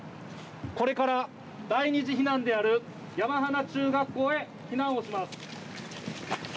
これから第二次避難である山鼻中学校へ避難をします。